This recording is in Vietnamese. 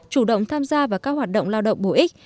chủ động tham gia vào các hoạt động lao động bổ ích